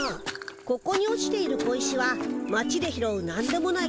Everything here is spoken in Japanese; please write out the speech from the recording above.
ここに落ちている小石は町で拾うなんでもない